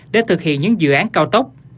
để thực hiện những dự án cao tốc